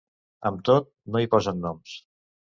Amb tot, no hi posen noms.